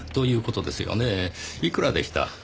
いくらでした？